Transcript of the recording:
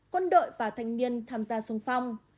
quân đội và thanh niên tham gia sung phong